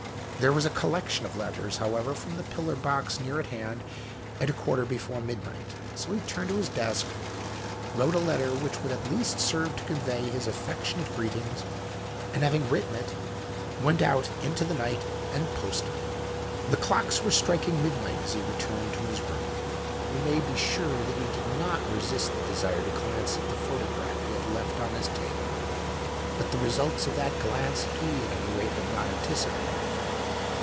There was! a collection of letters, however, from the pillar i, box near at hand, at a quarter before midnight, so he turned to his desk,, wrote a letter which would at least serve to convey his affectionate greetings, and having written it, went out into the night and posted it. The clocks were striking midnight as he returned to his room. We may be sure that he did not resist the desire to glance at the photo graph he had left on his table. But the results of that glance, he, at any rate, had not antici pated.